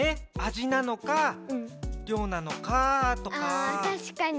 ああたしかに。